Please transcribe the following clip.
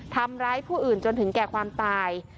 ทำร้ายผู้อื่นจนถึงแก่ความตาย